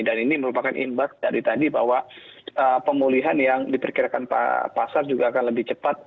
dan ini merupakan imbas dari tadi bahwa pemulihan yang diperkirakan pak pasar juga akan lebih cepat